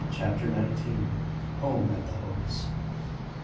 CHAPTER NINETEEN. HOME AT "THE HOPES'."